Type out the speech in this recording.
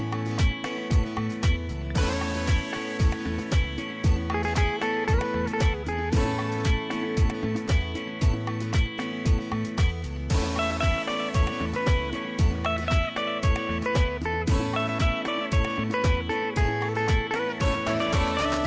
โปรดติดตามตอนต่อไป